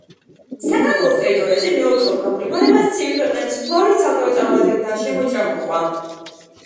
საქართველოს ტერიტორიაზე მეოთხეულ გამყინვარებას ცივი ქვეყნების ფლორის ცალკეულ წარმომადგენელთა შემოჭრა მოჰყვა.